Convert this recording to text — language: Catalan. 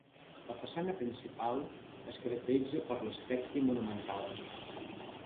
La façana principal es caracteritza per l'aspecte monumental.